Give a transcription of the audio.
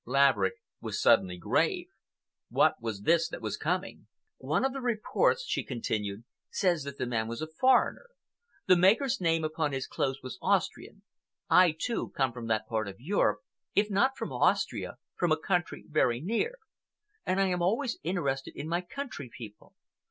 Laverick was suddenly grave. What was this that was coming? "One of the reports," she continued, "says that the man was a foreigner. The maker's name upon his clothes was Austrian. I, too, come from that part of Europe—if not from Austria, from a country very near—and I am always interested in my country people.